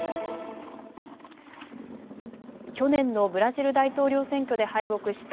去年のブラジル大統領選挙で敗北した